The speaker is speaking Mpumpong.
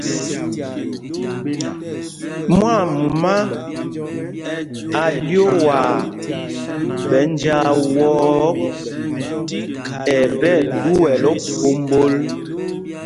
Mwaamumá a lyoowaa ɓɛ̌ njāā wɔ́ɔ́ ɔ, ɛ tí ɛɗuɛl ophómbol.